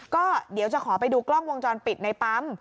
ก็เดี๋ยวจะขอไปดูกล้องวงจรปิดในปั๊ม